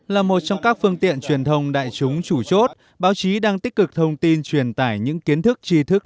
là một trong các phương tiện truyền thông đại chúng chủ chốt báo chí đang tích cực thông tin truyền tải những kiến thức tri thức